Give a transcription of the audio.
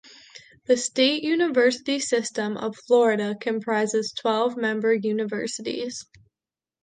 The State University System of Florida comprises twelve member universities.